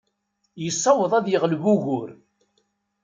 Yessaweḍ ad yeɣleb ugur.